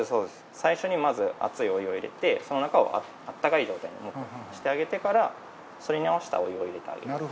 最初にまず熱いお湯を入れてその中を温かい状態にしてあげてからそれに合わせたお湯を入れてあげる。